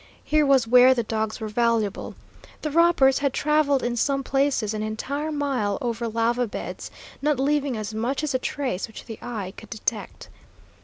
Here was where the dogs were valuable. The robbers had traveled in some places an entire mile over lava beds, not leaving as much as a trace which the eye could detect.